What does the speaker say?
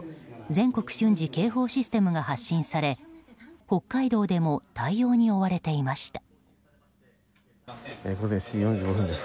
・全国瞬時警報システムが発信され、北海道でも対応に追われていました。